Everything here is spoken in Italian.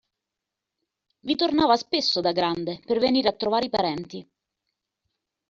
Vi tornava spesso da grande per venire a trovare i parenti.